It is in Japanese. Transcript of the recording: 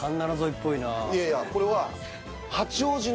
いやいやこれは八王子！？